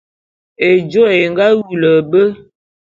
Ejôé é nga wulu be.